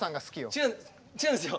違う違うんですよ。